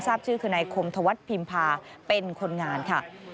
ทราบชื่อคือนายคมธวัฒน์พิมพาเป็นคนงานค่ะ